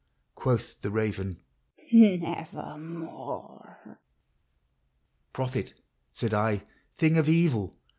Quoth the raven, " Nevermore !"" Prophet !" said I, " thing of evil